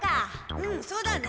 うんそうだね。